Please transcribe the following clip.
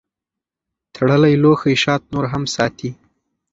تړلی لوښی شات نور هم ساتي.